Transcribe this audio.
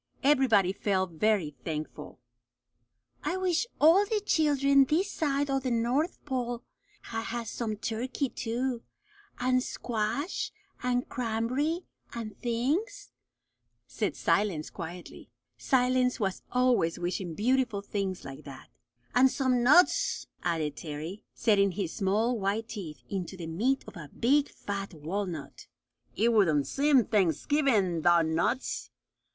Everybody felt very thankful. [Footnote 22: From the Youth's Companion, November 26, 1903.] "I wish all the children this side o' the north pole had had some turkey, too, and squash and cram'bry and things," said Silence quietly. Silence was always wishing beautiful things like that. "An' some nuts," added Terry, setting his small white teeth into the meat of a big fat walnut. "It wouldn't seem Thanksgivingy 'thout nuts."